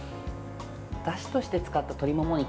だしとして使った鶏もも肉